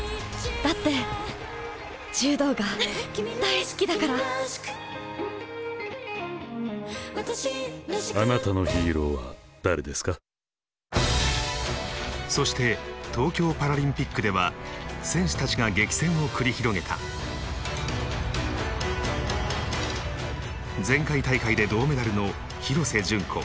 だって柔道が大好きだからそして東京パラリンピックでは選手たちが激戦を繰り広げた前回大会で銅メダルの廣瀬順子。